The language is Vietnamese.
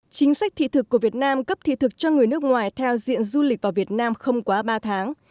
chính sách thị thực của việt nam cấp thị thực cho người nước ngoài theo diện du lịch vào việt nam không quá ba tháng